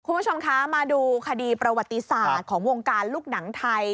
คุณผู้ชมคะมาดูคดีประวัติศาสตร์ของวงการลูกหนังไทย